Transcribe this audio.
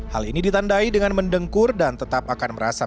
hal ini ditandai dengan mendengkur dan tetap akan merasa